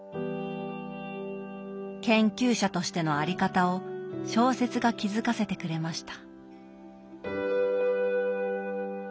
研究者としての在り方を小説が気付かせてくれました。